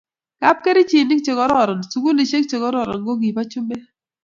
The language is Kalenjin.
kapkerichenik che kororon, sukulisiek che kororon ko kibo chumbek